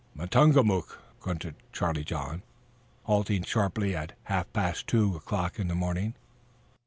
"Matungamook," grunted Charlie John, halting sharply at half past two o'clock in the morning.